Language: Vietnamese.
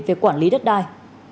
về quản lý đất đai